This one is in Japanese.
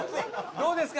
どうですか？